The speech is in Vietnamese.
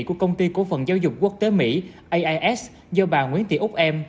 của công ty cổ phần giáo dục quốc tế mỹ ais do bà nguyễn tị úc em